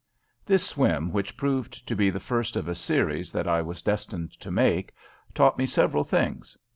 This swim, which proved to be the first of a series that I was destined to make, taught me several things.